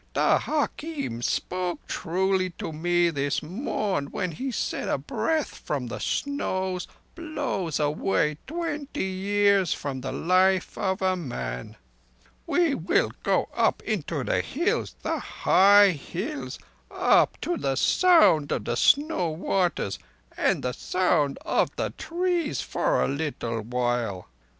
The hakim spoke truly to me this morn when he said a breath from the snows blows away twenty years from the life of a man. We will go up into the Hills—the high hills—up to the sound of snow waters and the sound of the trees—for a little while.